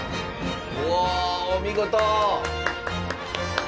うわお見事。